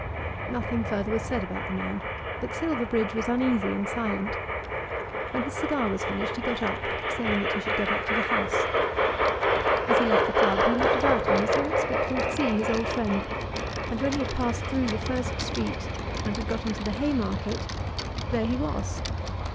Nothing further was said about the man, but Silverbridge was uneasy and silent. When his cigar was finished he got up, saying that he should go back to the House. As he left the club he looked about him as though expecting to see his old friend, and when he had passed through the first street and had got into the Haymarket there he was!